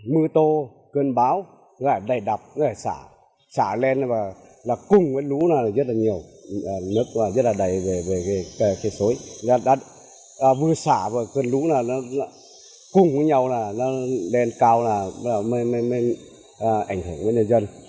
mùa sả và cơn lũ cùng với nhau đen cao nên ảnh hưởng đến nhân dân